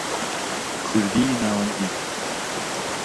کوردیی ناوەندی